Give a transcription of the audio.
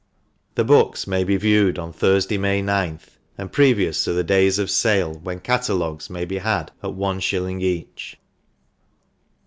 " The Books may be viewed on Thursday, May 9th, and previous to the Days of Sale, when Catalogues may be had at one shilling each."